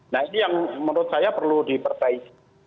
nah ini yang menurut saya perlu diperbaiki